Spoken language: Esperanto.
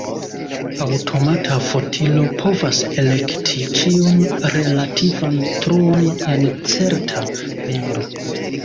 Aŭtomata fotilo povas elekti ĉiun relativan truon en certa bendo.